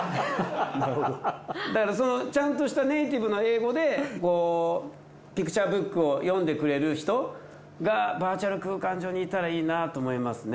だからちゃんとしたネイティブな英語でピクチャーブックを読んでくれる人がバーチャル空間上にいたらいいなと思いますね。